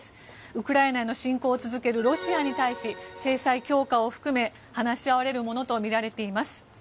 ウクライナへの侵攻を続けるロシアに対し制裁強化を含め話し合われるものとみられています。